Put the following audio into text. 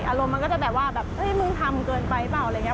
อารมณ์มันก็จะแบบว่าแบบเฮ้ยมึงทำเกินไปเปล่าอะไรอย่างนี้